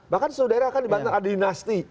bahkan seluruh daerah kan di batang ada dinasti